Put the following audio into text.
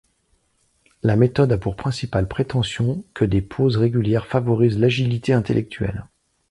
La méthode a pour principale prétention que des pauses régulières favorisent l'agilité intellectuelle.